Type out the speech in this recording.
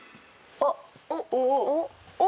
あっ！